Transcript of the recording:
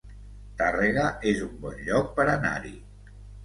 Tàrrega es un bon lloc per anar-hi